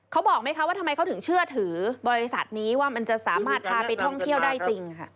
เขาบอกไหมคะว่าทำไมเขาถึงเชื่อถือบริษัทนี้ว่ามันจะสามารถพาไปท่องเที่ยวได้จริงค่ะ